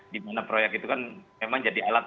di mana proyek itu kan memang jadi alat